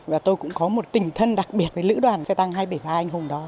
và tôi cũng có một tình thân đặc biệt với lữ đoàn xe tăng hai trăm bảy mươi ba anh hùng đó